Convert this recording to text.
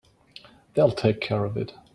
They'll take care of it.